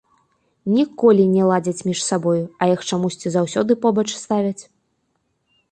Ніколі не ладзяць між сабою, а іх чамусьці заўсёды побач ставяць.